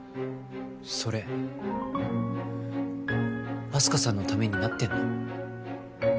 それあす花さんのためになってんの？